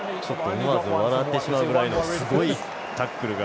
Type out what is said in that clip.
思わず笑ってしまうぐらいのすごいタックルが。